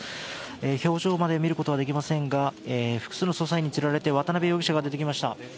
表情まで見ることはできませんが複数の捜査員に連れられて渡邉容疑者が出てきました。